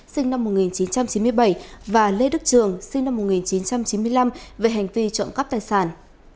sinh năm một nghìn chín trăm chín mươi bảy và lê đức trường sinh năm một nghìn chín trăm chín mươi năm về hành vi trộm cắp tài sản